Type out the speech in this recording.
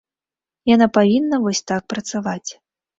Яна павінна вось так працаваць.